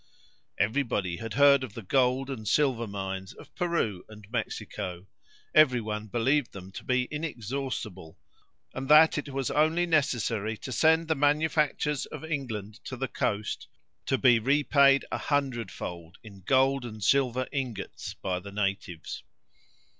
Every body had heard of the gold and silver mines of Peru and Mexico; every one believed them to be inexhaustible, and that it was only necessary to send the manufactures of England to the coast to be repaid a hundred fold in gold and silver ingots by the natives.